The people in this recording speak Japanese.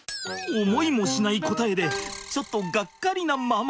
思いもしない答えでちょっとがっかりなママ。